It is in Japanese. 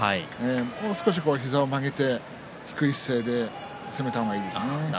もう少し膝を曲げて低い姿勢で攻めた方がいいですね。